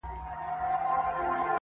رمې به پنډي وي او ږغ به د شپېلیو راځي-